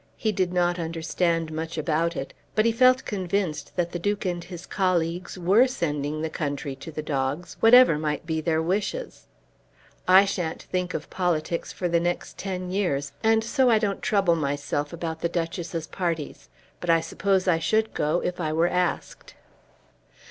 He did not understand much about it, but he felt convinced that the Duke and his colleagues were sending the country to the dogs, whatever might be their wishes. "I shan't think of politics for the next ten years, and so I don't trouble myself about the Duchess's parties, but I suppose I should go if I were asked."